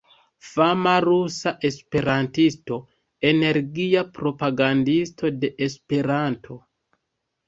Fama rusa esperantisto, energia propagandisto de Esperanto.